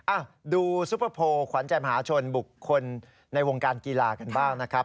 อ่ะดูซุปเปอร์โพลขวัญใจมหาชนบุคคลในวงการกีฬากันบ้างนะครับ